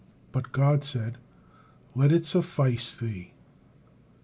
But God said, "Let it suffice thee!"